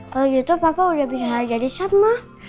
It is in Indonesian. kalau gitu papa udah bisa hari adek adek sama